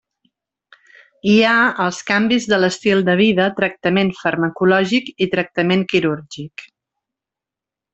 Hi ha els canvis de l'estil de vida, tractament farmacològic i tractament quirúrgic.